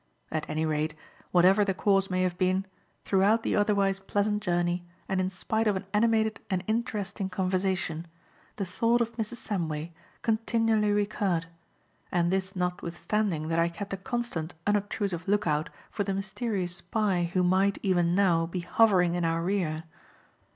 At any rate, whatever the cause may have been, throughout the otherwise, pleasant journey, and in spite of an animated and interesting conversation, the thought of Mrs. Samway continually recurred, and this notwithstanding that I kept a constant, unobtrusive look out for the mysterious spy who might, even now, be hovering in our rear.